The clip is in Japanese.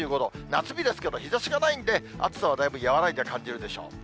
夏日ですけど、日ざしがないんで、暑さはだいぶ和らいで感じるでしょう。